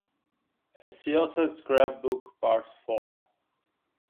A Syosset Scrapbook Part Four.